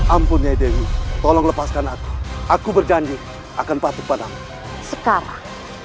ampun ya dewi tolong lepaskan aku aku berjanji akan patuh padam sekarang